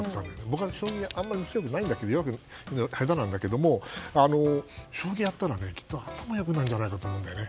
僕、将棋はあまり強くなくて下手なんだけれども将棋をやったらきっと頭が良くなるんじゃないかと思うんだよね。